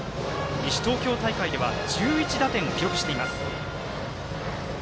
西東京大会では１１打点を記録しています。